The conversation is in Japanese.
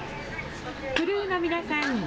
クルーの皆さん